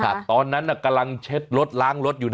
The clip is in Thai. เพราะฉะนั้นเอามาฝากเตือนกันนะครับคุณผู้ชม